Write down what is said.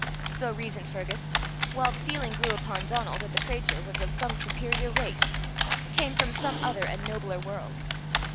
So reasoned Fergus, while the feeling grew upon Donal that the cratur was of some superior race came from some other and nobler world.